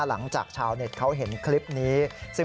หลังจากชาวเน็ตเขาเห็นคลิปนี้